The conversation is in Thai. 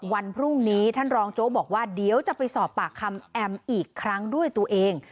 วันพรุ่งนี้ท่านรองโจ๊กบอกว่าเดี๋ยวจะไปสอบปากคำแอมอีกครั้งด้วยตัวเอง